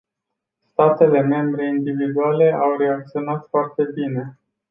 Statele membre individuale au reacționat foarte bine.